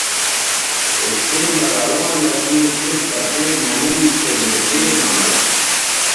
کشتئ مہ روان اسو تس بٹے مہ نِن چہء مٹھے نھال